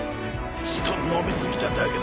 ちと飲み過ぎただけだ。